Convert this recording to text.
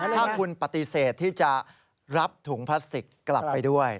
ถ้าคุณปฏิเสธที่จะรับถุงพลาสติกกลับไปด้วย